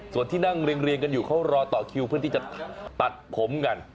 ส่วนที่นั่งเรียงกันอยู่เขารอต่อคิวเพื่อที่จะตัดผมกัน